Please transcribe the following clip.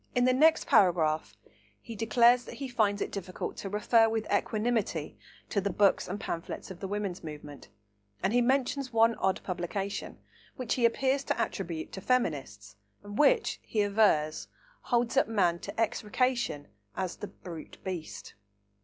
In the next paragraph he declares that he finds it difficult to "refer with equanimity" to the books and pamphlets of the women's movement, and he mentions one odd publication, which he appears to attribute to feminists and which, he avers, holds up man to execration as "the brute beast."